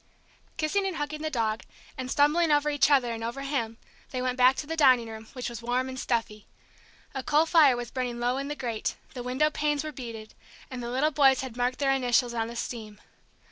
Kissing and hugging the dog, and stumbling over each other and over him, they went back to the dining room, which was warm and stuffy. A coal fire was burning low in the grate, the window panes were beaded, and the little boys had marked their initials in the steam.